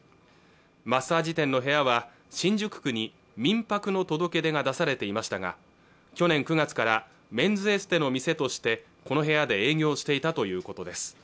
マッサージ店の部屋は新宿区に民泊の届け出が出されていましたが去年９月からメンズエステの店としてこの部屋で営業していたということです